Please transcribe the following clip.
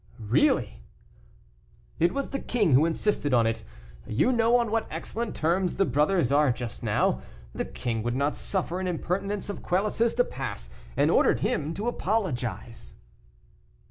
"Really!" "It was the king who insisted on it; you know on what excellent terms the brothers are just now. The king would not suffer an impertinence of Quelus's to pass, and ordered him to apologize."